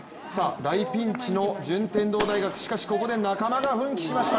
大ピンチの順天堂大学、しかしここで仲間が奮起しました。